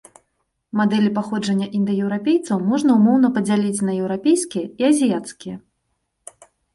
Мадэлі паходжання індаеўрапейцаў можна ўмоўна падзяліць на еўрапейскія і азіяцкія.